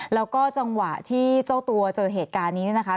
แล้วก็จังหวะที่เจ้าตัวเจอเหตุการณ์นี้เนี่ยนะคะ